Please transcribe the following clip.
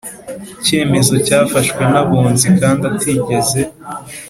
cyemezo cyafashwe n Abunzi kandi atigeze